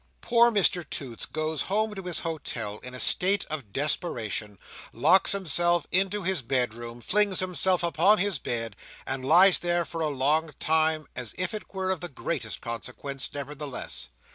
Poor Mr Toots goes home to his hotel in a state of desperation, locks himself into his bedroom, flings himself upon his bed, and lies there for a long time; as if it were of the greatest consequence, nevertheless.